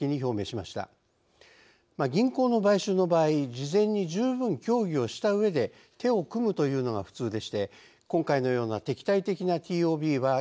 銀行の買収の場合事前に十分協議をしたうえで手を組むというのが普通でして今回のような敵対的なＴＯＢは極めて異例です。